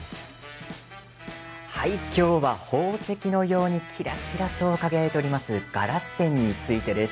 今日は、宝石のようにキラキラと輝いているガラスペンについてです。